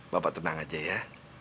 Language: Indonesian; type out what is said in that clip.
bapak tenang saja ya